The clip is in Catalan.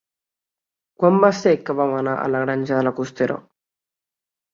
Quan va ser que vam anar a la Granja de la Costera?